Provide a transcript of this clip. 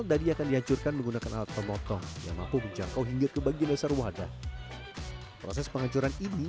dadi akan dihancurkan menggunakan alat pemotong yang mampu menjangkau hingga ke bagian dasar wadah proses penghancuran ini